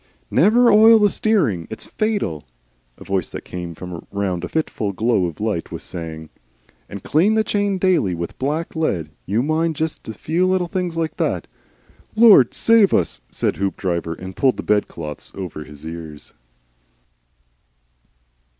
"Never oil the steering. It's fatal," a voice that came from round a fitful glow of light, was saying. "And clean the chain daily with black lead. You mind just a few little things like that " "Lord LOVE us!" said Hoopdriver, and pulled the bedclothes over his ears.